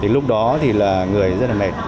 lúc đó thì là người rất là mệt